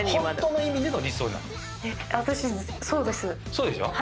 そうでしょ。